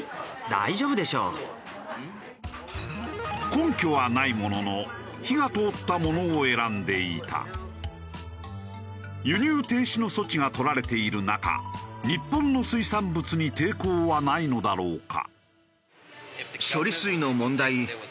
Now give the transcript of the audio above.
根拠はないものの輸入停止の措置が取られている中日本の水産物に抵抗はないのだろうか？